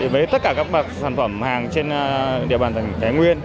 với tất cả các sản phẩm hàng trên địa bàn tỉnh thái nguyên